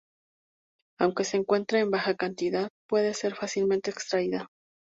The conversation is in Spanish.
Aunque se encuentra en baja cantidad, puede ser fácilmente extraída.